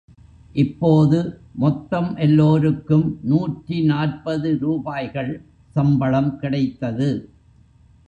இப்போது மொத்தம் எல்லோருக்கும் நூற்றி நாற்பது ரூபாய்கள் சம்பளம் கிடைத்தது.